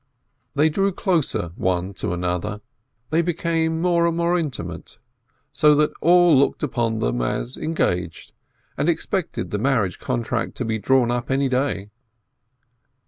They drew closer one to another, they became more and more intimate, so that all looked upon them as engaged, and expected the marriage contract to be drawn up any day.